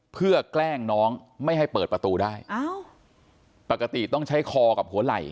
เพื่อแกล้งน้องไม่ให้เปิดประตูได้อ้าวปกติต้องใช้คอกับหัวไหล่